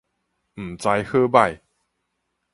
毋知好䆀